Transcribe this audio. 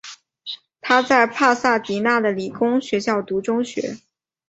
他在帕萨迪娜的理工学校读中学。